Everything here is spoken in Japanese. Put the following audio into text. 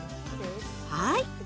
はい。